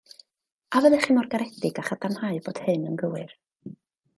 A fyddech chi mor garedig â chadarnhau bod hyn yn gywir.